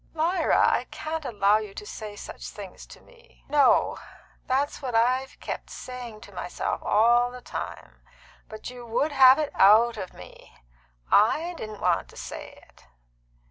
"Lyra, I can't allow you to say such things to me." "No; that's what I've kept saying to myself all the time. But you would have it out of me. I didn't want to say it."